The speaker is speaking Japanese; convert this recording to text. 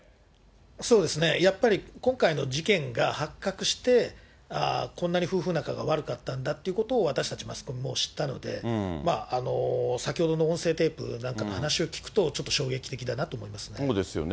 そうですね、やっぱり今回の事件が発覚して、こんなに夫婦仲が悪かったんだということを、私たちマスコミも知ったので、先ほどの音声テープなんかの話を聞くと、ちょっと衝撃的だなと思そうですよね。